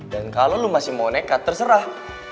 dan kalau lo masih mau nekat terserah